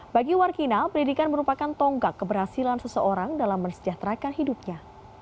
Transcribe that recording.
bagi warkina pendidikan merupakan tonggak keberhasilan seseorang dalam mensejahterakan hidupnya